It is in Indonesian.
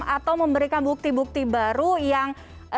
atau memberikan bukti bukti baru yang